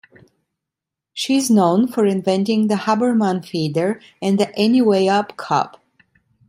She is known for inventing the Haberman Feeder and the Anywayup Cup.